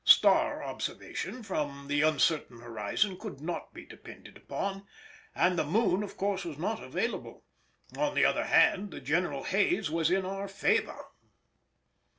Star observation, from the uncertain horizon, could not be depended upon, and the moon of course was not available; on the other hand, the general haze was in our favour.